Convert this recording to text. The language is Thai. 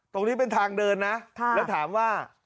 ตรงนี้เป็นทางเดินนะแล้วถามว่า